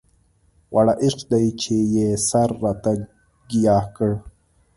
واړه عشق دی چې يې سر راته ګياه کړ